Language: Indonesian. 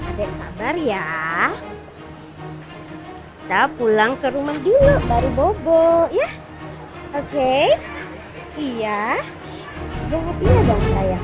adek kabar ya kita pulang ke rumah dulu baru bobo ya oke iya